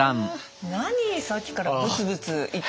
何さっきからブツブツ言ってるんですか？